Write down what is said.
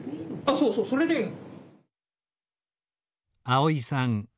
そうそうそれでいいの。